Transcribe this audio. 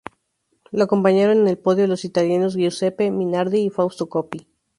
Lo acompañaron en el podio los italianos Giuseppe Minardi y Fausto Coppi.